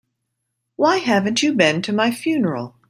Why haven't you been to my funeral?